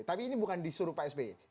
tapi ini bukan disuruh pak sby